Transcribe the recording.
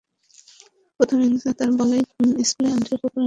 প্রথম ইনিংসে তাঁর বলেই স্লিপে অ্যালিস্টার কুকের ক্যাচ ছেড়েছেন রবীন্দ্র জাদেজা।